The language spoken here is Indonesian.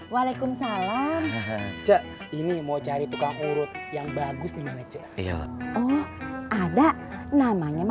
waalaikumsalam ini mau cari tukang urut yang bagus dimana cewek oh ada namanya